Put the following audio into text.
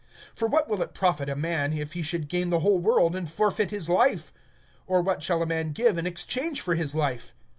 (36)For what will it profit a man, to gain the whole world, and forfeit his soul? (37)Or what shall a man give as an exchange for his soul?